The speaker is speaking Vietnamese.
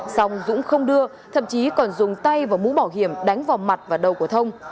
xong dũng không đưa thậm chí còn dùng tay vào mũ bảo hiểm đánh vào mặt và đầu của thông